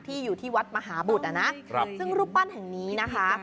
ที่อยู่ที่วัดมหาบุตรนะซึ่งรุปัญแห่งนี้นะคะ